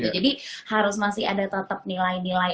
jadi harus masih ada tetap nilai nilai